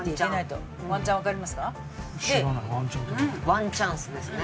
ワンチャンスですね。